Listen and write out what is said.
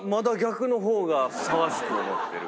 ふさわしく思ってる。